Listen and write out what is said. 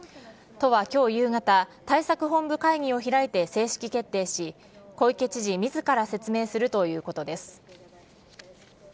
都はきょう夕方、対策本部会議を開いて正式決定し、小池知事みずから説明するということです。